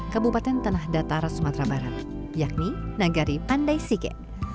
kabupaten tanah datar sumatera barat yakni nagari pandai sike